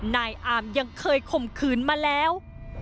นายอามยังเคยข่มขืนมาแล้ว